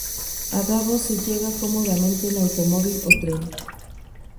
A Davos se llega cómodamente en automóvil o en tren.